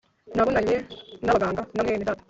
Nabonanye nabaganga na Mwenedata